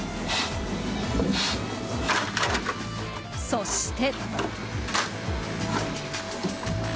そして。